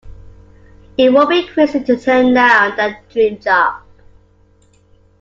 It would be crazy to turn down that dream job.